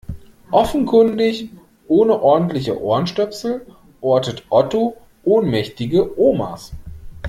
Offenkundig ohne ordentliche Ohrenstöpsel ortet Otto ohnmächtige Omas.